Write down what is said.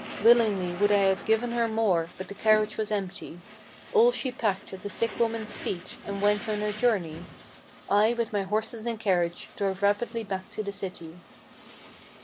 Willingly would I have given her more, but the carriage was empty. All she packed at the sick woman's feet, and went on her journey. I, with my horses and carriage, drove rapidly back to the city."